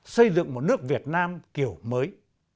xây dựng một nước việt nam kiểu mới